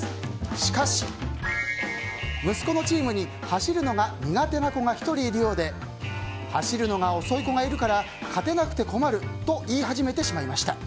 しかし、息子のチームに走るのが苦手な子が１人いるようで走るのが遅い子がいるから勝てなくて困ると言い始めてしまいました。